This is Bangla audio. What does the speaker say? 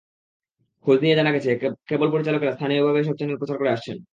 খোঁজ নিয়ে জানা গেছে, কেব্ল পরিচালকেরা স্থানীয়ভাবে এসব চ্যানেল প্রচার করে আসছেন।